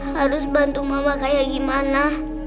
harus bantu mama kayak gimana